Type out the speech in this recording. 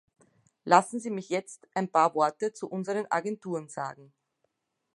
Lassen Sie mich jetzt ein paar Worte zu unseren Agenturen sagen.